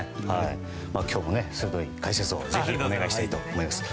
今日も鋭い解説をお願いしたいと思います。